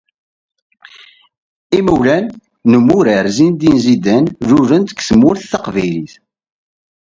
Imawlan n umurar Zineddine Zidane lulen-d deg Tmurt Taqbaylit.